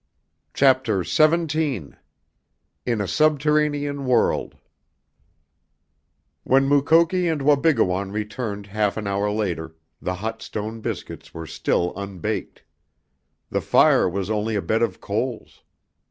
CHAPTER XVII IN A SUBTERRANEAN WORLD When Mukoki and Wabigoon returned half an hour later the hot stone biscuits were still unbaked. The fire was only a bed of coals.